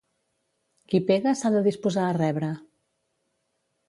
Qui pega s'ha de disposar a rebre.